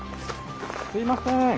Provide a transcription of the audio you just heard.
すいません！